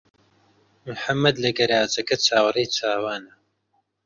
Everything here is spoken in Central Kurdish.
محەممەد لە گەراجەکە چاوەڕێی چاوانە.